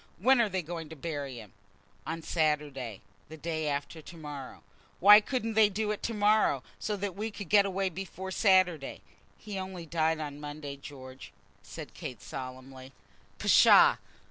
When are they going to bury him?" "On Saturday, the day after to morrow." "Why couldn't they do it to morrow, so that we could get away before Sunday?" "He only died on Monday, George," said Kate, solemnly. "Psha!